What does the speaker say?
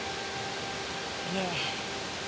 いえ。